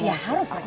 ya harus percaya